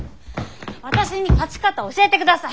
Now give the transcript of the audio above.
私に勝ち方を教えてください！